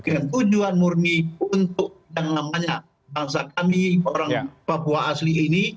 dan tujuan murni untuk yang namanya bangsa kami orang papua asli ini